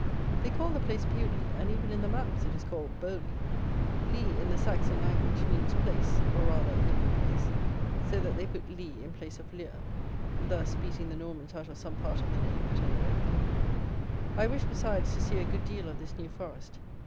They call the place Bewley, and even in the maps it is called Bauley. Ley, in the Saxon language, means place, or rather open place; so that they put ley in place of lieu, thus beating the Normans out of some part of the name at any rate. I wished, besides, to see a good deal of this New Forest.